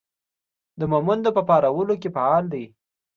د مهمندو په پارولو کې فعال دی.